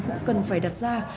cũng cần phải đặt ra